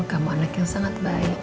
kamu anak yang sangat baik